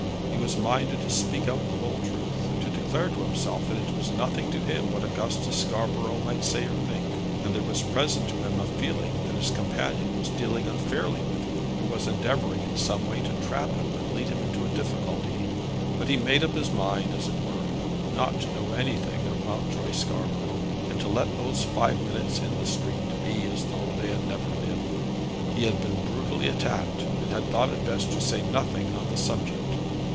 He was minded to speak out the whole truth, and declare to himself that it was nothing to him what Augustus Scarborough might say or think. And there was present to him a feeling that his companion was dealing unfairly with him, and was endeavoring in some way to trap him and lead him into a difficulty. But he had made up his mind, as it were, not to know anything of Mountjoy Scarborough, and to let those five minutes in the street be as though they had never been. He had been brutally attacked, and had thought it best to say nothing on the subject.